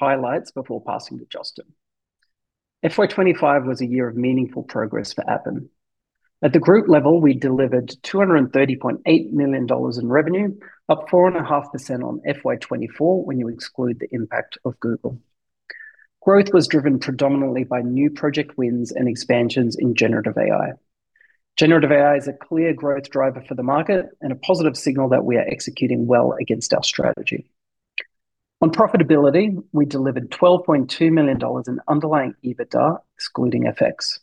—highlights before passing to Justin. FY 2025 was a year of meaningful progress for Appen. At the group level, we delivered $230.8 million in revenue, up 4.5% on FY 2024 when you exclude the impact of Google. Growth was driven predominantly by new project wins and expansions in Generative AI. Generative AI is a clear growth driver for the market and a positive signal that we are executing well against our strategy. On profitability, we delivered $12.2 million in underlying EBITDA, excluding FX.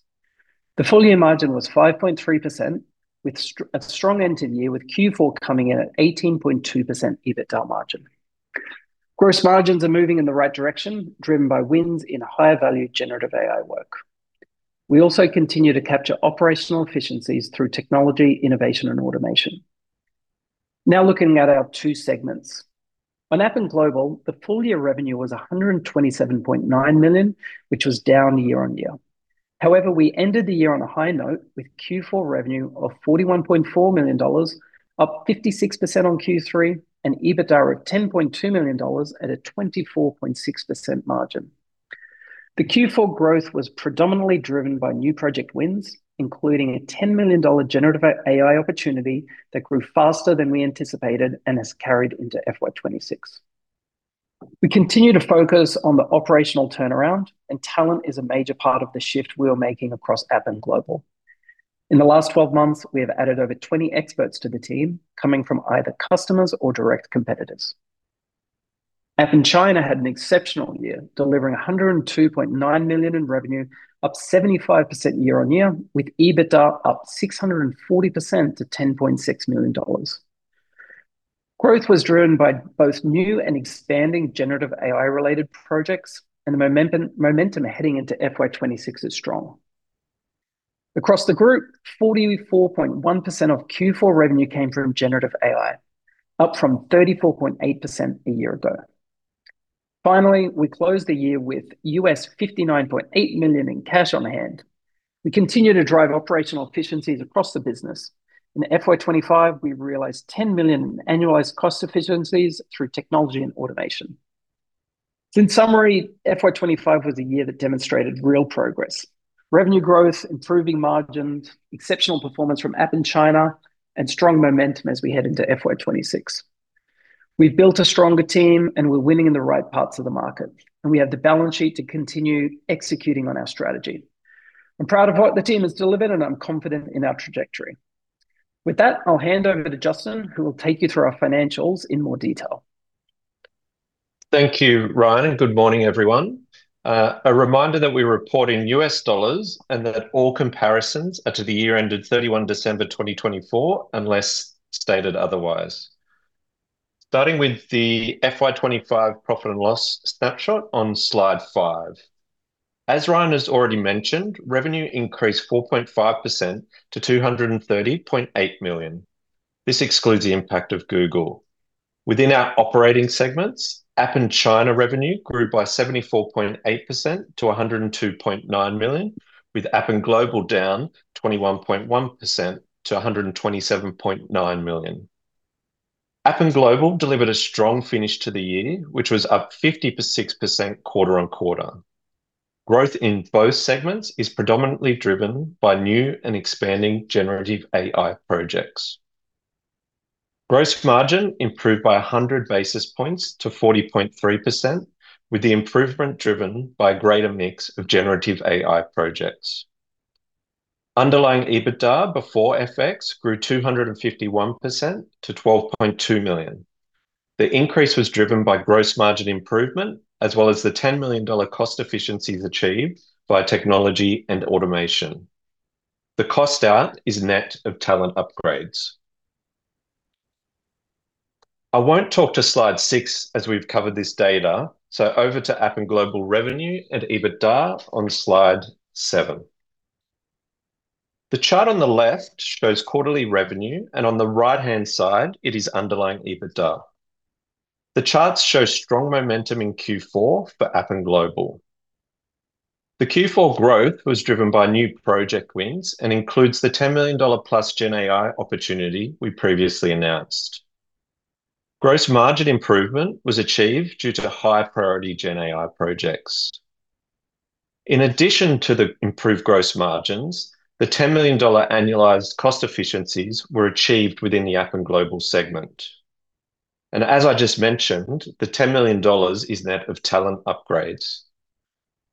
The full year margin was 5.3%, with a strong end in year, with Q4 coming in at 18.2% EBITDA margin. Gross margins are moving in the right direction, driven by wins in higher value Generative AI work. We also continue to capture operational efficiencies through technology, innovation, and automation. Looking at our two segments. On Appen Global, the full year revenue was $127.9 million, which was down year-over-year. We ended the year on a high note, with Q4 revenue of $41.4 million, up 56% on Q3, and EBITDA of $10.2 million at a 24.6% margin. The Q4 growth was predominantly driven by new project wins, including a $10 million Generative AI opportunity that grew faster than we anticipated and has carried into FY 2026. We continue to focus on the operational turnaround, talent is a major part of the shift we are making across Appen Global. In the last 12 months, we have added over 20 experts to the team, coming from either customers or direct competitors. Appen China had an exceptional year, delivering $102.9 million in revenue, up 75% year-on-year, with EBITDA up 640% to $10.6 million. Growth was driven by both new and expanding Generative AI-related projects, the momentum heading into FY 2026 is strong. Across the group, 44.1% of Q4 revenue came from Generative AI, up from 34.8% a year ago. Finally, we closed the year with $59.8 million in cash on hand. We continue to drive operational efficiencies across the business. In FY 2025, we realized $10 million in annualized cost efficiencies through technology and automation. In summary, FY 2025 was a year that demonstrated real progress, revenue growth, improving margins, exceptional performance from Appen China, strong momentum as we head into FY 2026. We've built a stronger team, and we're winning in the right parts of the market, and we have the balance sheet to continue executing on our strategy. I'm proud of what the team has delivered, and I'm confident in our trajectory. With that, I'll hand over to Justin, who will take you through our financials in more detail. Thank you, Ryan, and good morning, everyone. A reminder that we report in U.S. dollars and that all comparisons are to the year ended 31 December 2024, unless stated otherwise. Starting with the FY 2025 profit and loss snapshot on slide five. As Ryan has already mentioned, revenue increased 4.5% to $230.8 million. This excludes the impact of Google. Within our operating segments, Appen China revenue grew by 74.8% to $102.9 million, with Appen Global down 21.1% to $127.9 million. Appen Global delivered a strong finish to the year, which was up 56% quarter-on-quarter. Growth in both segments is predominantly driven by new and expanding Generative AI projects. Gross margin improved by 100 basis points to 40.3%, with the improvement driven by a greater mix of Generative AI projects. Underlying EBITDA, before FX, grew 251% to $12.2 million. The increase was driven by gross margin improvement, as well as the $10 million cost efficiencies achieved via technology and automation. The cost out is net of talent upgrades. I won't talk to slide six, as we've covered this data, so over to Appen Global revenue and EBITDA on slide seven. The chart on the left shows quarterly revenue, and on the right-hand side it is underlying EBITDA. The charts show strong momentum in Q4 for Appen Global. The Q4 growth was driven by new project wins and includes the $10+ million GenAI opportunity we previously announced. Gross margin improvement was achieved due to the high priority GenAI projects. In addition to the improved gross margins, the $10 million annualized cost efficiencies were achieved within the Appen Global segment. As I just mentioned, the $10 million is net of talent upgrades,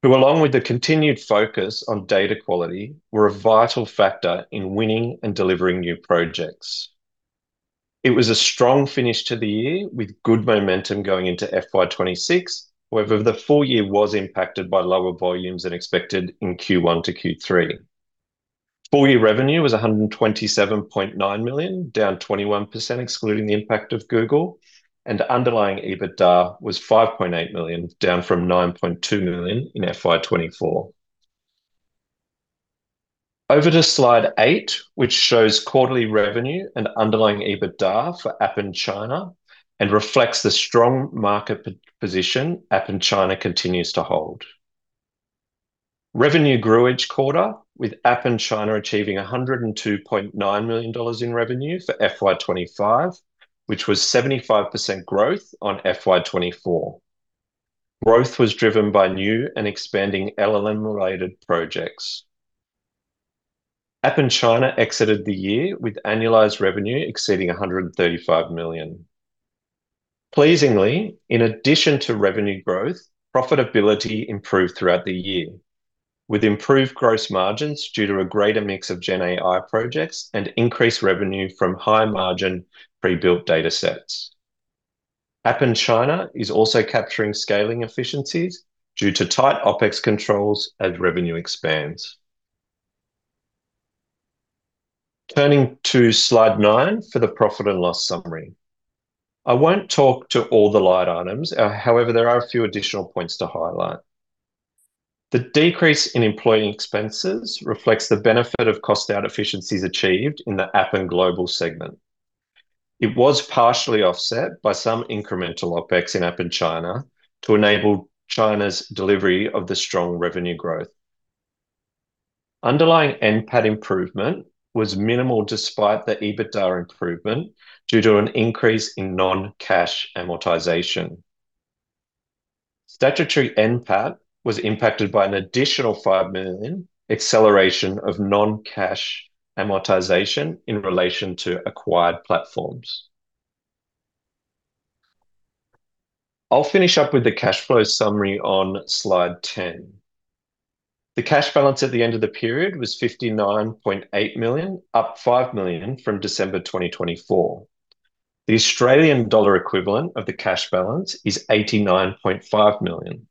who, along with the continued focus on data quality, were a vital factor in winning and delivering new projects. It was a strong finish to the year, with good momentum going into FY 2026. The full year was impacted by lower volumes than expected in Q1 to Q3. Full year revenue was $127.9 million, down 21% excluding the impact of Google, and underlying EBITDA was $5.8 million, down from $9.2 million in FY 2024. Over to slide eight, which shows quarterly revenue and underlying EBITDA for Appen China and reflects the strong market position Appen China continues to hold. Revenue grew each quarter, with Appen China achieving $102.9 million in revenue for FY 2025, which was 75% growth on FY 2024. Growth was driven by new and expanding LLM-related projects. Appen China exited the year with annualized revenue exceeding $135 million. Pleasingly, in addition to revenue growth, profitability improved throughout the year, with improved gross margins due to a greater mix of GenAI projects and increased revenue from high-margin pre-built datasets. Appen China is also capturing scaling efficiencies due to tight OpEx controls as revenue expands. Turning to slide nine for the profit and loss summary. I won't talk to all the line items. However, there are a few additional points to highlight. The decrease in employee expenses reflects the benefit of cost out efficiencies achieved in the Appen Global segment. It was partially offset by some incremental OpEx in Appen China to enable China's delivery of the strong revenue growth. Underlying NPAT improvement was minimal, despite the EBITDA improvement, due to an increase in non-cash amortization. Statutory NPAT was impacted by an additional $5 million acceleration of non-cash amortization in relation to acquired platforms. I'll finish up with the cash flow summary on slide 10. The cash balance at the end of the period was $59.8 million, up $5 million from December 2024. The Australian dollar equivalent of the cash balance is 89.5 million.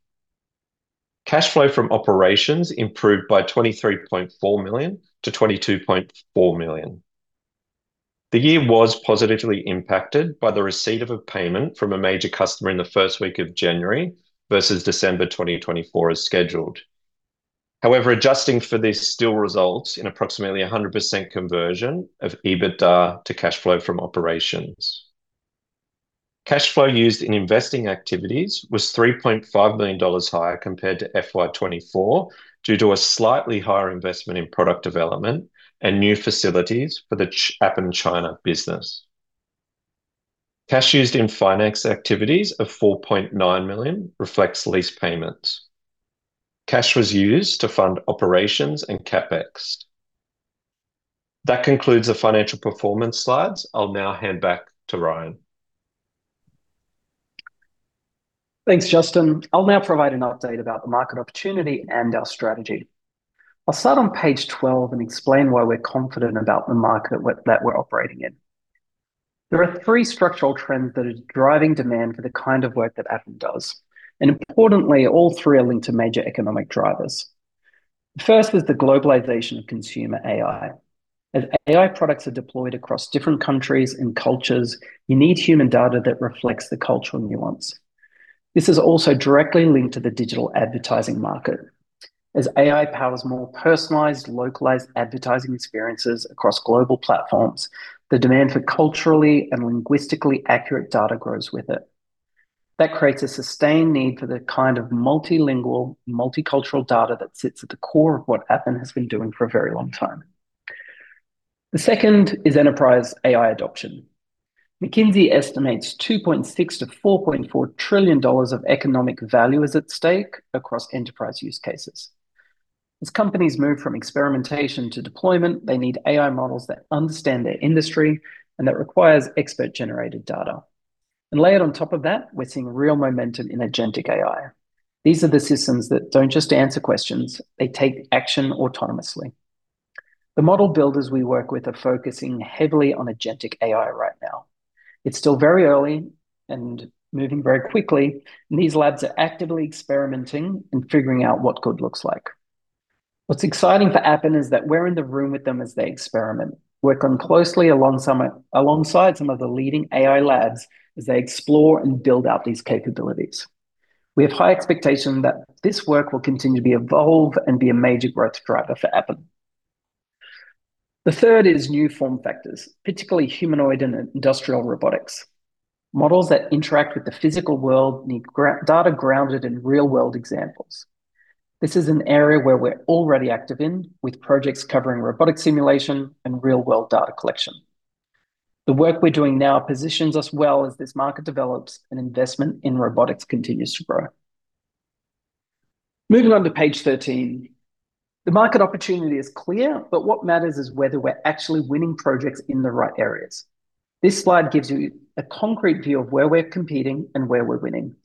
Cash flow from operations improved by $23.4 million-$22.4 million. The year was positively impacted by the receipt of a payment from a major customer in the first week of January versus December 2024 as scheduled. However, adjusting for this still results in approximately 100% conversion of EBITDA to cash flow from operations. Cash flow used in investing activities was $3.5 million higher compared to FY 2024, due to a slightly higher investment in product development and new facilities for the Appen China business. Cash used in finance activities of $4.9 million reflects lease payments. Cash was used to fund operations and CapEx. That concludes the financial performance slides. I'll now hand back to Ryan. Thanks, Justin. I'll now provide an update about the market opportunity and our strategy. I'll start on page 12 and explain why we're confident about the market that we're operating in. There are three structural trends that are driving demand for the kind of work that Appen does, and importantly, all three are linked to major economic drivers. First is the globalization of consumer AI. As AI products are deployed across different countries and cultures, you need human data that reflects the cultural nuance. This is also directly linked to the digital advertising market. As AI powers more personalized, localized advertising experiences across global platforms, the demand for culturally and linguistically accurate data grows with it. That creates a sustained need for the kind of multilingual, multicultural data that sits at the core of what Appen has been doing for a very long time. The second is enterprise AI adoption. McKinsey estimates $2.6 trillion-$4.4 trillion of economic value is at stake across enterprise use cases. As companies move from experimentation to deployment, they need AI models that understand their industry. That requires expert-generated data. Layered on top of that, we're seeing real momentum in agentic AI. These are the systems that don't just answer questions, they take action autonomously. The model builders we work with are focusing heavily on agentic AI right now. It's still very early, moving very quickly. These labs are actively experimenting, figuring out what good looks like. What's exciting for Appen is that we're in the room with them as they experiment. We're working closely alongside some of the leading AI labs as they explore and build out these capabilities. We have high expectation that this work will continue to be evolved and be a major growth driver for Appen. The third is new form factors, particularly humanoid and industrial robotics. Models that interact with the physical world need data grounded in real-world examples. This is an area where we're already active in, with projects covering robotic simulation and real-world data collection. The work we're doing now positions us well as this market develops and investment in robotics continues to grow. Moving on to page 13. The market opportunity is clear, but what matters is whether we're actually winning projects in the right areas. This slide gives you a concrete view of where we're competing and where we're winning.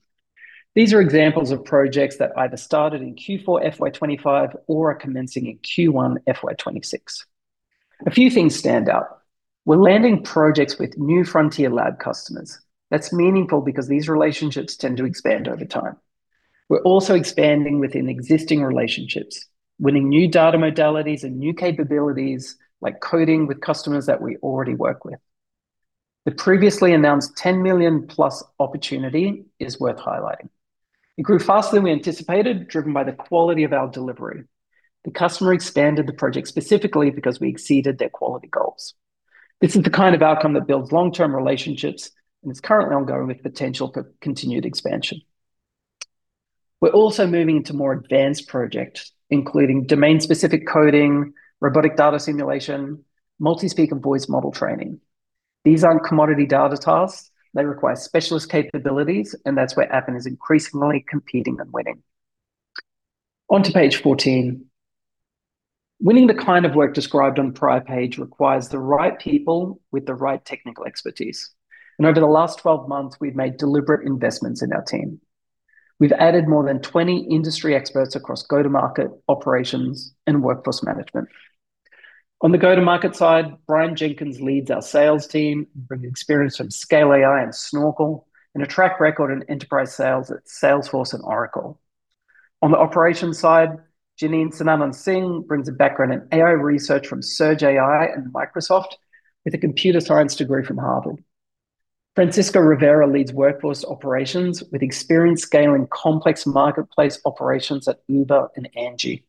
These are examples of projects that either started in Q4 FY 2025 or are commencing in Q1 FY 2026. A few things stand out. We're landing projects with new frontier Lab customers. That's meaningful because these relationships tend to expand over time. We're also expanding within existing relationships, winning new data modalities and new capabilities, like coding with customers that we already work with. The previously announced $10 million-plus opportunity is worth highlighting. It grew faster than we anticipated, driven by the quality of our delivery. The customer expanded the project specifically because we exceeded their quality goals. This is the kind of outcome that builds long-term relationships, and it's currently ongoing with potential for continued expansion. We're also moving into more advanced projects, including domain-specific coding, robotic data simulation, multi-speaker voice model training. These aren't commodity data tasks. They require specialist capabilities, and that's where Appen is increasingly competing and winning. On to page 14. Winning the kind of work described on the prior page requires the right people with the right technical expertise, and over the last 12 months, we've made deliberate investments in our team. We've added more than 20 industry experts across go-to-market, operations, and workforce management. On the go-to-market side, Brian Jenkins leads our sales team, bringing experience from Scale AI and Snorkel, and a track record in enterprise sales at Salesforce and Oracle. On the operations side, Jeanine Sinanan-Singh brings a background in AI research from Surge AI and Microsoft, with a computer science degree from Harvard. Francisco Rivera leads workforce operations, with experience scaling complex marketplace operations at Uber and Angi.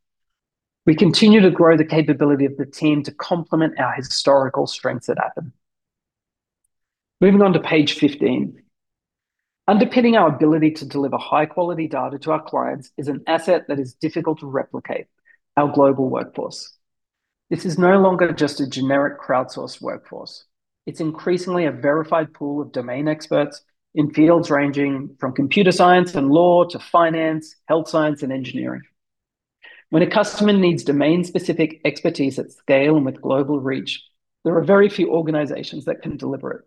We continue to grow the capability of the team to complement our historical strengths at Appen. Moving on to page 15. Underpinning our ability to deliver high-quality data to our clients is an asset that is difficult to replicate: our global workforce. This is no longer just a generic crowdsourced workforce. It's increasingly a verified pool of domain experts in fields ranging from computer science and law to finance, health science, and engineering. When a customer needs domain-specific expertise at scale and with global reach, there are very few organizations that can deliver it.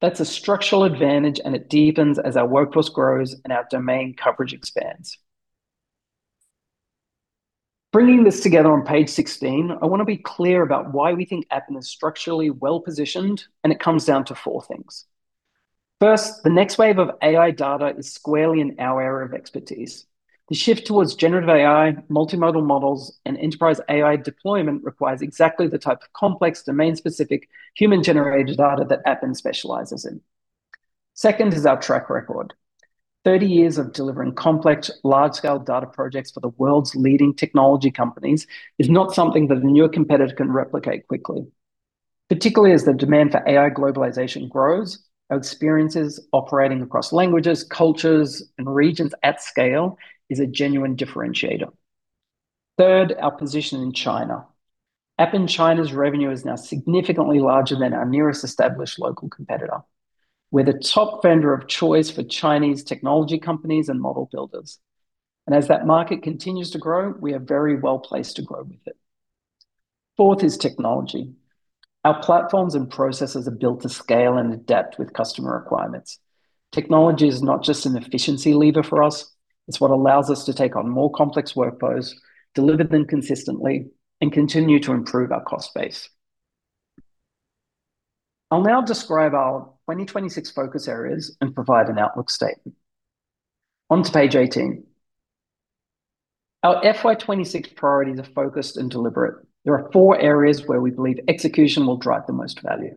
That's a structural advantage, and it deepens as our workforce grows and our domain coverage expands. Bringing this together on page 16, I want to be clear about why we think Appen is structurally well-positioned. It comes down to four things. First, the next wave of AI data is squarely in our area of expertise. The shift towards generative AI, multimodal models, and enterprise AI deployment requires exactly the type of complex, domain-specific, human-generated data that Appen specializes in. Second is our track record. 30 years of delivering complex, large-scale data projects for the world's leading technology companies is not something that a newer competitor can replicate quickly. Particularly as the demand for AI globalization grows, our experiences operating across languages, cultures, and regions at scale is a genuine differentiator. Third, our position in China. Appen China's revenue is now significantly larger than our nearest established local competitor. We're the top vendor of choice for Chinese technology companies and model builders, and as that market continues to grow, we are very well-placed to grow with it. Fourth is technology. Our platforms and processes are built to scale and adapt with customer requirements. Technology is not just an efficiency lever for us, it's what allows us to take on more complex workflows, deliver them consistently, and continue to improve our cost base. I'll now describe our 2026 focus areas and provide an outlook statement. On to page 18. Our FY 2026 priorities are focused and deliberate. There are four areas where we believe execution will drive the most value.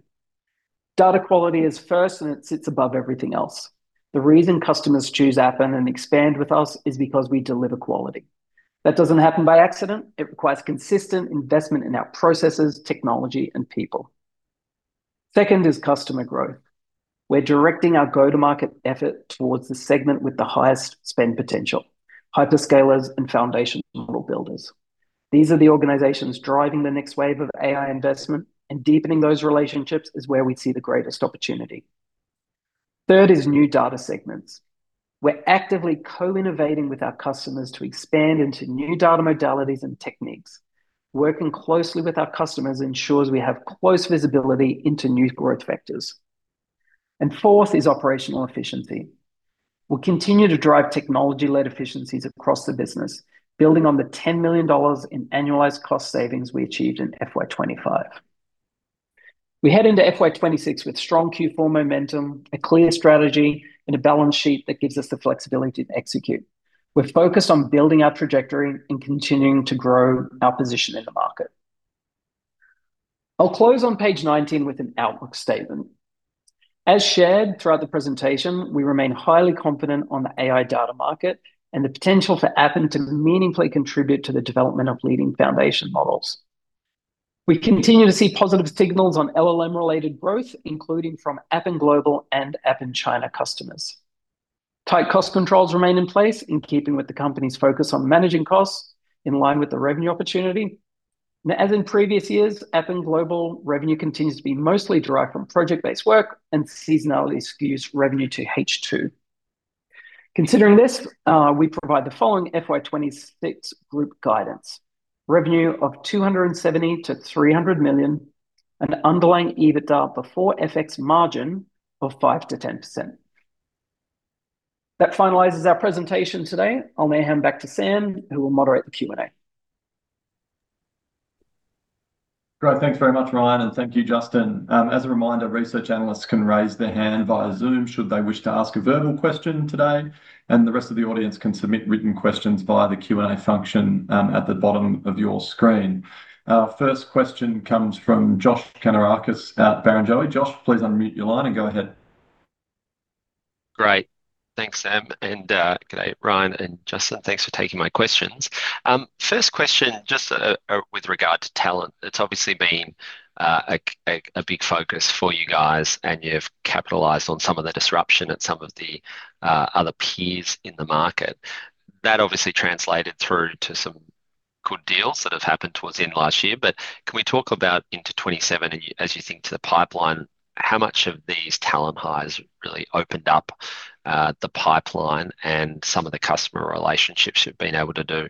Data quality is first, and it sits above everything else. The reason customers choose Appen and expand with us is because we deliver quality. That doesn't happen by accident. It requires consistent investment in our processes, technology, and people. Second is customer growth. We're directing our go-to-market effort towards the segment with the highest spend potential, hyperscalers and foundation model builders. These are the organizations driving the next wave of AI investment, and deepening those relationships is where we see the greatest opportunity. Third is new data segments. We're actively co-innovating with our customers to expand into new data modalities and techniques. Working closely with our customers ensures we have close visibility into new growth vectors. Fourth is operational efficiency. We'll continue to drive technology-led efficiencies across the business, building on the $10 million in annualized cost savings we achieved in FY 2025. We head into FY 2026 with strong Q4 momentum, a clear strategy, and a balance sheet that gives us the flexibility to execute. We're focused on building our trajectory and continuing to grow our position in the market. I'll close on page 19 with an outlook statement. As shared throughout the presentation, we remain highly confident on the AI data market and the potential for Appen to meaningfully contribute to the development of leading foundation models. We continue to see positive signals on LLM-related growth, including from Appen Global and Appen China customers. Tight cost controls remain in place, in keeping with the company's focus on managing costs in line with the revenue opportunity. As in previous years, Appen Global revenue continues to be mostly derived from project-based work, and seasonality skews revenue to H2. Considering this, we provide the following FY 2026 group guidance: revenue of $270 million-$300 million, an underlying EBITDA before FX margin of 5%-10%. That finalizes our presentation today. I'll now hand back to Sam, who will moderate the Q&A. Great. Thanks very much, Ryan, and thank you, Justin. As a reminder, research analysts can raise their hand via Zoom should they wish to ask a verbal question today, and the rest of the audience can submit written questions via the Q&A function, at the bottom of your screen. Our first question comes from Josh Kannourakis at Barrenjoey. Josh, please unmute your line and go ahead. Great. Thanks, Sam. Good day, Ryan and Justin. Thanks for taking my questions. First question, just with regard to talent, it's obviously been a big focus for you guys, and you've capitalized on some of the disruption at some of the other peers in the market. That obviously translated through to some good deals that have happened towards the end of last year. Can we talk about into 2027, as you think to the pipeline, how much of these talent hires really opened up the pipeline and some of the customer relationships you've been able to do?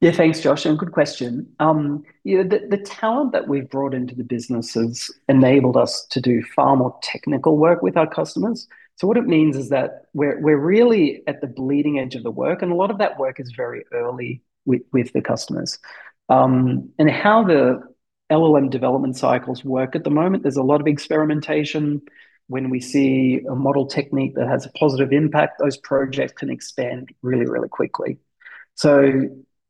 Yeah, thanks, Josh. Good question. You know, the talent that we've brought into the business has enabled us to do far more technical work with our customers. What it means is that we're really at the bleeding edge of the work, and a lot of that work is very early with the customers. How the LLM development cycles work at the moment, there's a lot of experimentation. When we see a model technique that has a positive impact, those projects can expand really, really quickly.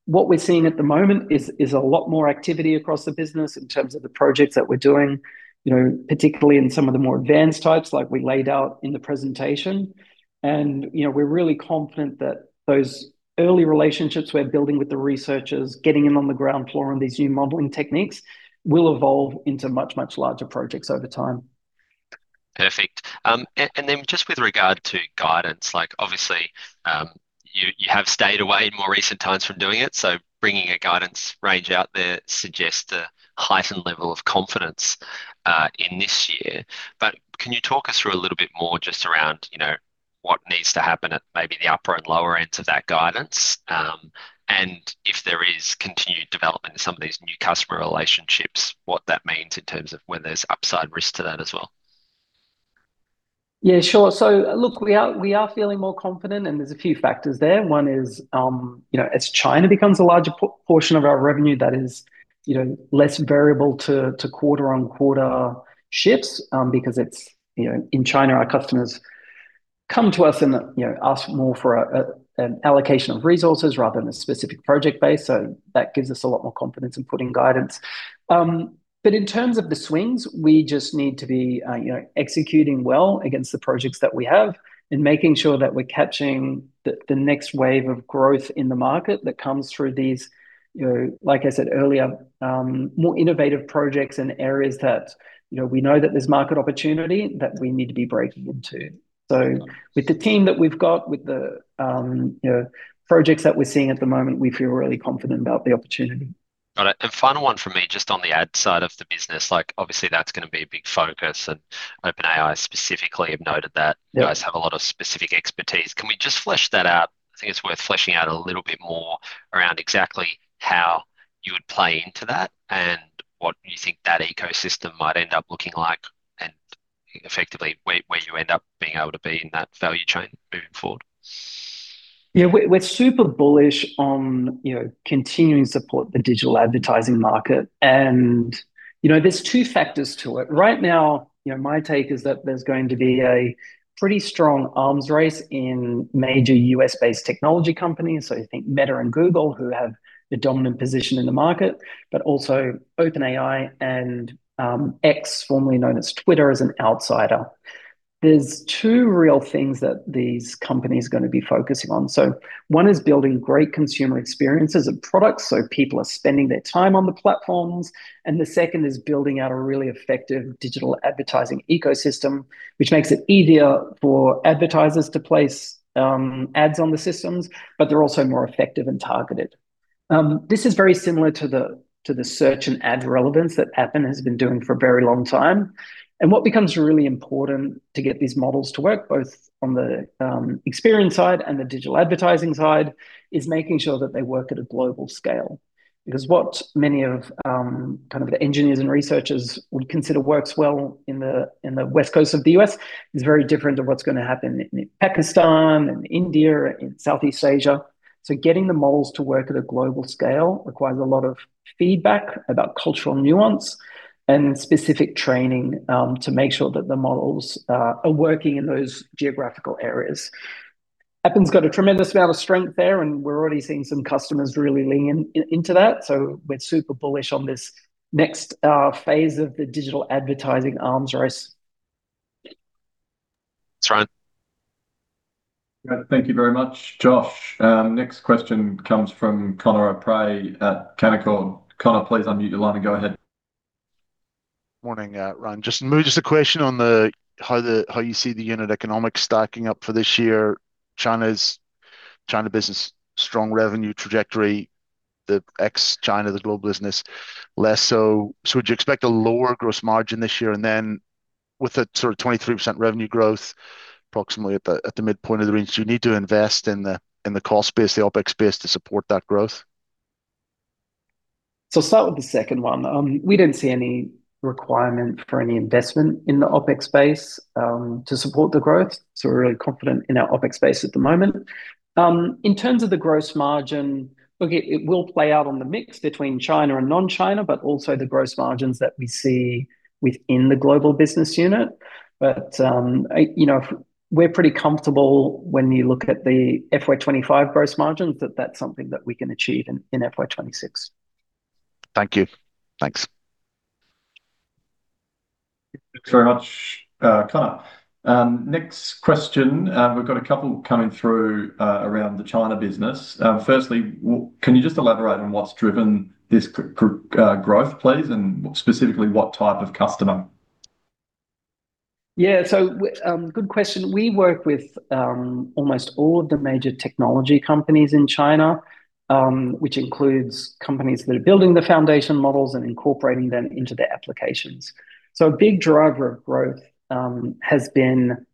What we're seeing at the moment is a lot more activity across the business in terms of the projects that we're doing, you know, particularly in some of the more advanced types like we laid out in the presentation, and, you know, we're really confident that those early relationships we're building with the researchers, getting in on the ground floor on these new modeling techniques, will evolve into much, much larger projects over time. Perfect. Then just with regard to guidance, like, obviously, you have stayed away in more recent times from doing it, so bringing a guidance range out there suggests a heightened level of confidence in this year. Can you talk us through a little bit more just around, you know, what needs to happen at maybe the upper and lower ends of that guidance? If there is continued development in some of these new customer relationships, what that means in terms of where there's upside risk to that as well. Yeah, sure. Look, we are feeling more confident, and there's a few factors there. One is, you know, as China becomes a larger portion of our revenue, that is, you know, less variable to quarter-on-quarter shifts, because in China, our customers come to us and, you know, ask more for an allocation of resources rather than a specific project base, so that gives us a lot more confidence in putting guidance. In terms of the swings, we just need to be, you know, executing well against the projects that we have and making sure that we're catching the next wave of growth in the market that comes through these, you know, like I said earlier, more innovative projects in areas that, you know, we know that there's market opportunity that we need to be breaking into. With the team that we've got, with the, you know, projects that we're seeing at the moment, we feel really confident about the opportunity. Got it. Final one from me, just on the ad side of the business, like, obviously, that's going to be a big focus, OpenAI specifically have noted that— Yeah — you guys have a lot of specific expertise. Can we just flesh that out? I think it's worth fleshing out a little bit more around exactly how you would play into that and what you think that ecosystem might end up looking like, and effectively, where you end up being able to be in that value chain moving forward. Yeah, we're super bullish on, you know, continuing to support the digital advertising market. You know, there's two factors to it. Right now, you know, my take is that there's going to be a pretty strong arms race in major U.S.-based technology companies. You think Meta and Google, who have the dominant position in the market, but also OpenAI and X, formerly known as Twitter, as an outsider. There's two real things that these companies are going to be focusing on. One is building great consumer experiences of products, so people are spending their time on the platforms, and the second is building out a really effective digital advertising ecosystem, which makes it easier for advertisers to place ads on the systems, but they're also more effective and targeted. This is very similar to the, to the search and ad relevance that Appen has been doing for a very long time. What becomes really important to get these models to work, both on the experience side and the digital advertising side, is making sure that they work at a global scale. What many of kind of the engineers and researchers would consider works well in the West Coast of the U.S. is very different to what's going to happen in Pakistan and India, in Southeast Asia. Getting the models to work at a global scale requires a lot of feedback about cultural nuance and specific training to make sure that the models are working in those geographical areas. Appen's got a tremendous amount of strength there, and we're already seeing some customers really lean in, into that, so we're super bullish on this next phase of the digital advertising arms race. That's right. Great. Thank you very much, Josh. Next question comes from Conor O'Prey at Canaccord. Conor, please unmute your line and go ahead. Morning, Ryan. Just, maybe just a question on the, how the, how you see the unit economics stacking up for this year. China business, strong revenue trajectory, the ex-China, the global business, less so. Would you expect a lower gross margin this year? With a sort of 23% revenue growth, approximately at the, at the midpoint of the range, do you need to invest in the, in the cost base, the OpEx base to support that growth? I'll start with the second one. We don't see any requirement for any investment in the OpEx base, to support the growth, so we're really confident in our OpEx base at the moment. In terms of the gross margin, look, it will play out on the mix between China and non-China, but also the gross margins that we see within the global business unit. You know, we're pretty comfortable when you look at the FY 2025 gross margins, that that's something that we can achieve in FY 2026. Thank you. Thanks. Thanks very much, Conor. Next question, we've got a couple coming through, around the China business. Firstly, can you just elaborate on what's driven this growth, please, and specifically, what type of customer? Yeah. Good question. We work with almost all of the major technology companies in China, which includes companies that are building the foundation models and incorporating them into their applications. A big driver of growth has been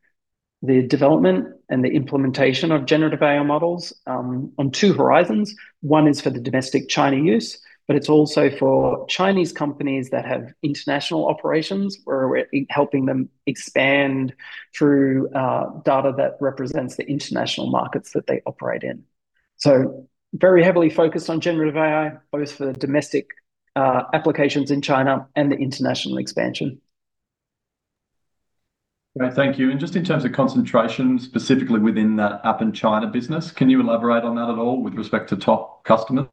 the development and the implementation of Generative AI models on two horizons. One is for the domestic China use, but it's also for Chinese companies that have international operations, where we're helping them expand through data that represents the international markets that they operate in. Very heavily focused on Generative AI, both for domestic applications in China and the international expansion. Great, thank you. Just in terms of concentration, specifically within the Appen China business, can you elaborate on that at all with respect to top customers?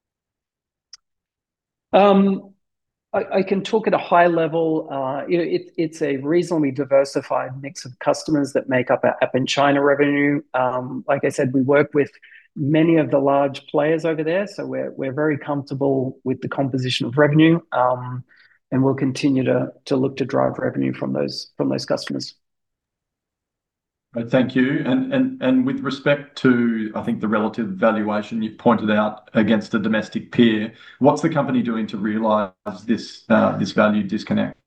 I can talk at a high level. You know, it's a reasonably diversified mix of customers that make up our Appen China revenue. Like I said, we work with many of the large players over there, so we're very comfortable with the composition of revenue, and we'll continue to look to drive revenue from those customers. Thank you. With respect to, I think, the relative valuation you've pointed out against a domestic peer, what's the company doing to realize this value disconnect?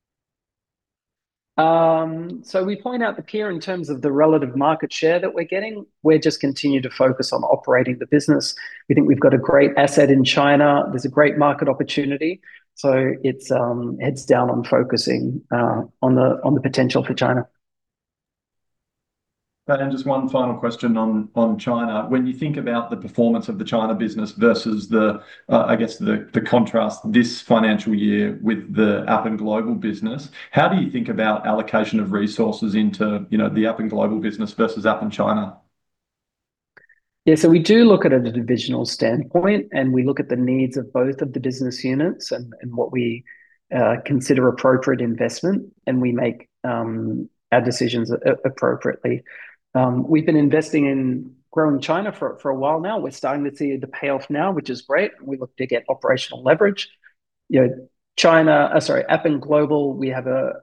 We point out the peer in terms of the relative market share that we're getting. We're just continuing to focus on operating the business. We think we've got a great asset in China. There's a great market opportunity, so it's heads down on focusing on the potential for China. Just one final question on China. When you think about the performance of the China business versus the, I guess, the contrast this financial year with the Appen Global business, how do you think about allocation of resources into, you know, the Appen Global business versus Appen China? We do look at it a divisional standpoint, and we look at the needs of both of the business units and what we consider appropriate investment, and we make our decisions appropriately. We've been investing in growing China for a while now. We're starting to see the payoff now, which is great, and we look to get operational leverage. You know, China, sorry, Appen Global, we have a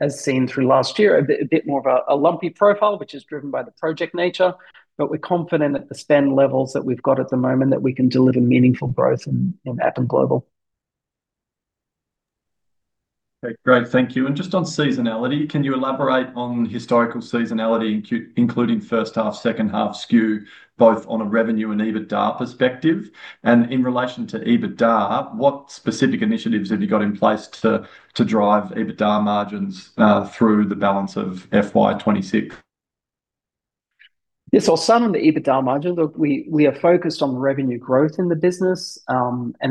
as seen through last year, a bit more of a lumpy profile, which is driven by the project nature, but we're confident at the spend levels that we've got at the moment, that we can deliver meaningful growth in Appen Global. Okay, great. Thank you. Just on seasonality, can you elaborate on historical seasonality, including first half, second half SKU, both on a revenue and EBITDA perspective? In relation to EBITDA, what specific initiatives have you got in place to drive EBITDA margins through the balance of FY 2026? Yes. Some of the EBITDA margin, we are focused on revenue growth in the business.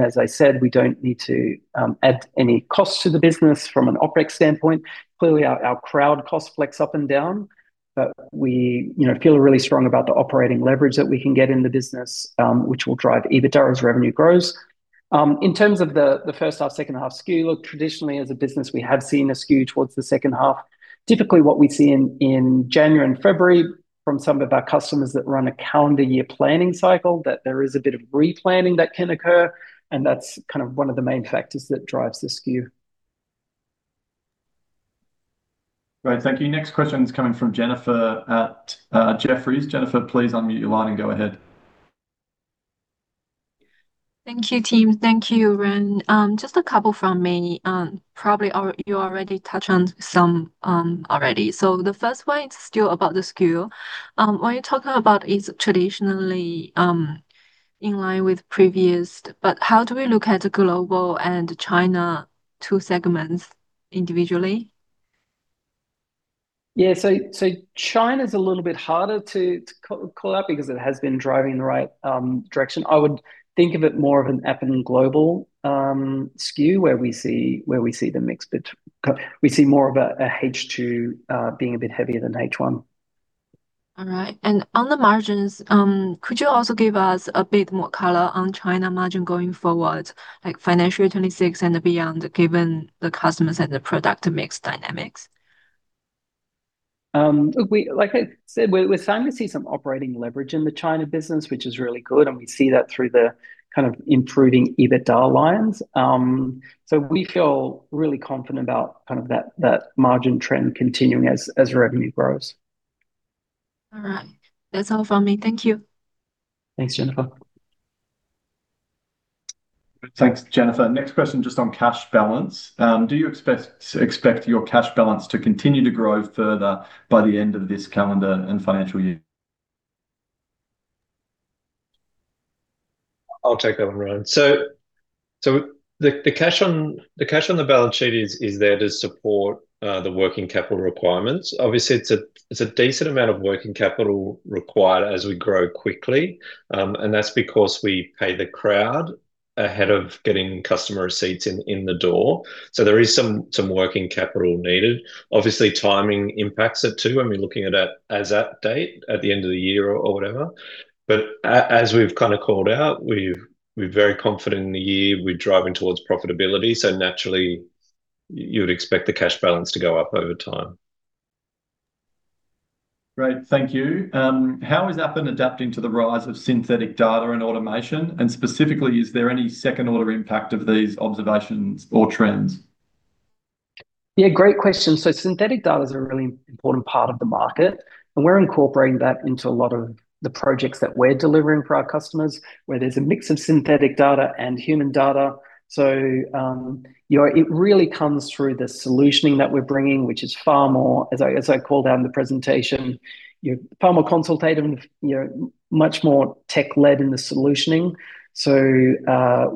As I said, we don't need to add any cost to the business from an OpEx standpoint. Clearly, our crowd cost flex up and down, but we, you know, feel really strong about the operating leverage that we can get in the business, which will drive EBITDA as revenue grows. In terms of the first half, second half SKU, traditionally, as a business, we have seen a SKU towards the second half. Typically, what we see in January and February from some of our customers that run a calendar year planning cycle, that there is a bit of replanning that can occur, and that's kind of one of the main factors that drives the SKU. Great, thank you. Next question is coming from Jennifer at Jefferies. Jennifer, please unmute your line and go ahead. Thank you, team. Thank you, Ryan. Just a couple from me. Probably, you already touched on some already. The first one, it's still about the SKU. When you talk about it's traditionally, in line with previous, but how do we look at the global and China, two segments individually? Yeah, China's a little bit harder to call out because it has been driving the right direction. I would think of it more of an Appen Global SKU, where we see the mix between... We see more of a H2 being a bit heavier than H1. All right. On the margins, could you also give us a bit more color on China margin going forward, like FY 2026 and beyond, given the customers and the product mix dynamics? Like I said, we're starting to see some operating leverage in the China business, which is really good, and we see that through the kind of improving EBITDA lines. We feel really confident about kind of that margin trend continuing as revenue grows. All right. That's all from me. Thank you. Thanks, Jennifer. Thanks, Jennifer. Next question, just on cash balance. Do you expect your cash balance to continue to grow further by the end of this calendar and financial year? I'll take that one, Ryan. The cash on the balance sheet is there to support the working capital requirements. Obviously, it's a decent amount of working capital required as we grow quickly, that's because we pay the crowd ahead of getting customer receipts in the door. There is some working capital needed. Obviously, timing impacts it, too, when we're looking at it as at date, at the end of the year or whatever. As we've kind of called out, we're very confident in the year, we're driving towards profitability, naturally, you would expect the cash balance to go up over time. Great. Thank you. How is Appen adapting to the rise of synthetic data and automation? Specifically, is there any second-order impact of these observations or trends? Great question. Synthetic data is a really important part of the market, and we're incorporating that into a lot of the projects that we're delivering for our customers, where there's a mix of synthetic data and human data. You know, it really comes through the solutioning that we're bringing, which is far more, as I called out in the presentation, you know, far more consultative, and, you know, much more tech-led in the solutioning.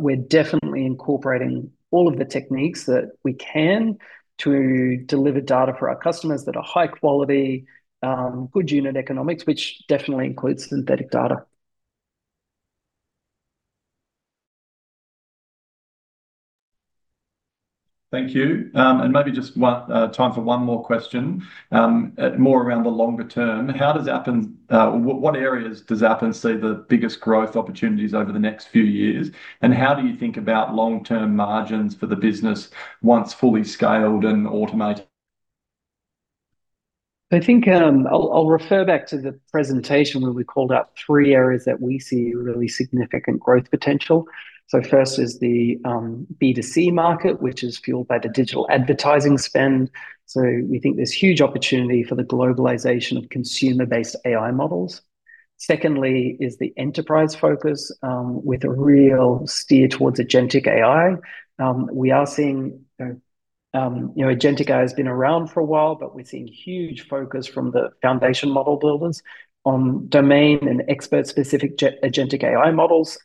We're definitely incorporating all of the techniques that we can to deliver data for our customers that are high quality, good unit economics, which definitely includes synthetic data. Thank you. Maybe just one, time for one more question, more around the longer term. What areas does Appen see the biggest growth opportunities over the next few years? How do you think about long-term margins for the business once fully scaled and automated? I think, I'll refer back to the presentation, where we called out three areas that we see really significant growth potential. First is the B2C market, which is fueled by the digital advertising spend. We think there's huge opportunity for the globalization of consumer-based AI models. Secondly, is the enterprise focus with a real steer towards agentic AI. We are seeing, you know, agentic AI has been around for a while, but we're seeing huge focus from the foundation model builders on domain and expert-specific agentic AI models.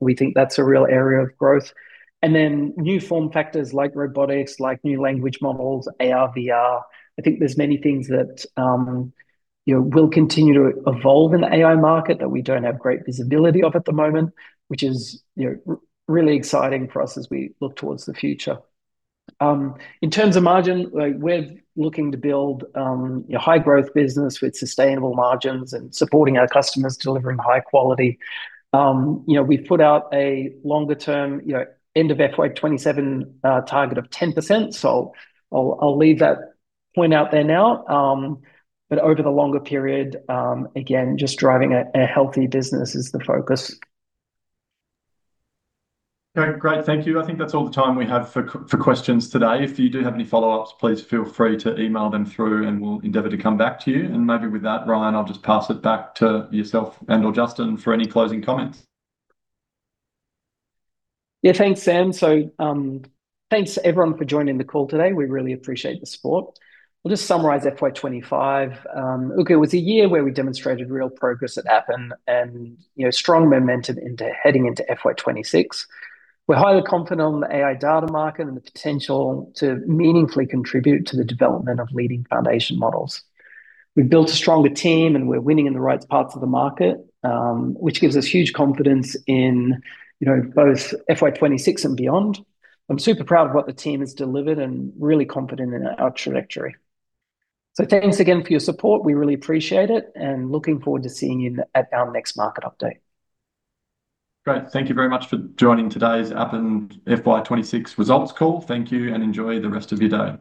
We think that's a real area of growth. New form factors like robotics, like new language models, AR/VR. I think there's many things that, you know, will continue to evolve in the AI market that we don't have great visibility of at the moment, which is, you know, really exciting for us as we look towards the future. In terms of margin, we're looking to build, a high-growth business with sustainable margins and supporting our customers, delivering high quality. You know, we've put out a longer-term, you know, end of FY 2027, target of 10%, so I'll leave that point out there now. But over the longer period, again, just driving a healthy business is the focus. Okay, great. Thank you. I think that's all the time we have for questions today. If you do have any follow-ups, please feel free to email them through, we'll endeavor to come back to you. Maybe with that, Ryan, I'll just pass it back to yourself and/or Justin for any closing comments. Yeah, thanks, Sam. Thanks, everyone, for joining the call today. We really appreciate the support. I'll just summarize FY 2025. Look, it was a year where we demonstrated real progress at Appen and, you know, strong momentum into heading into FY 2026. We're highly confident on the AI data market and the potential to meaningfully contribute to the development of leading foundation models. We've built a stronger team, and we're winning in the right parts of the market, which gives us huge confidence in, you know, both FY 2026 and beyond. I'm super proud of what the team has delivered and really confident in our trajectory. Thanks again for your support. We really appreciate it, and looking forward to seeing you at our next market update. Great. Thank you very much for joining today's Appen FY 2026 results call. Thank you, and enjoy the rest of your day. Goodbye.